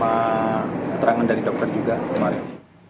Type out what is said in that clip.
apa keterangan dari dokter juga kemarin